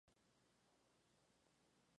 Habita en Etiopía, Somalia, Kenia y Yibuti.